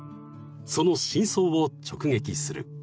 その真相を直撃する］